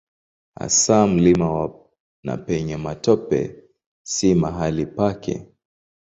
Hasa mlimani na penye matope si mahali pake.